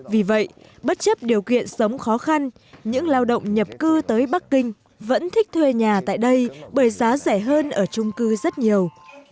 vì vậy bất chấp điều kiện sống khó khăn những lao động nhập cư tới bắc kinh vẫn thích thuê nhà tại đây bởi giá rẻ hơn ở trung cư rất nhiều